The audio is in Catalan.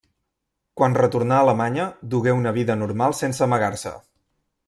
Quan retornà a Alemanya, dugué una vida normal sense amagar-se.